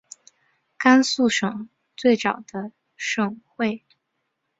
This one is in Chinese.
甘肃省最早的省会。